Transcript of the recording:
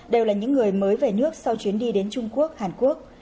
đều là những người mới về nước sau chuyến đi đến trung quốc hàn quốc